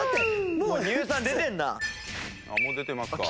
もう出てますか？